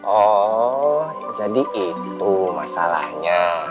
oh jadi itu masalahnya